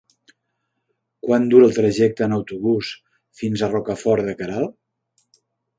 Quant dura el trajecte en autobús fins a Rocafort de Queralt?